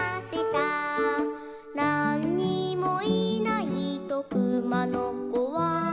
「なんにもいないとくまのこは」